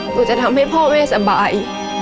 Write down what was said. จะทำให้พ่อแม่สบาย